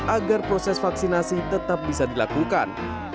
agar proses vaksinasi tetap bisa dilakukan